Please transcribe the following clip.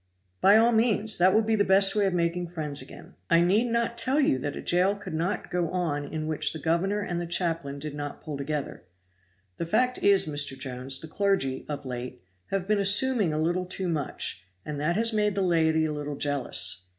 "By all means; that will be the best way of making friends again. I need not tell you that a jail could not go on in which the governor and the chaplain did not pull together. The fact is, Mr. Jones, the clergy, of late, have been assuming a little too much, and that has made the laity a little jealous.